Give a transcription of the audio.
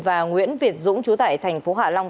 và nguyễn việt dũng chú tại thành phố hạ long